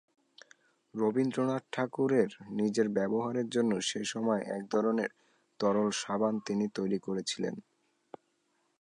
রবীন্দ্রনাথ ঠাকুরের নিজের ব্যবহারের জন্য সেসময়ে এক ধরনের তরল সাবান তিনি তৈরি করেছিলেন।